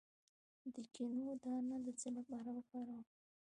د کینو دانه د څه لپاره وکاروم؟